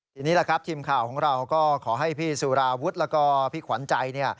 ทีนี้แหละครับทีมข่าวของเราก็ขอให้พี่สุราวุฒิแล้วก็พี่ขวัญใจ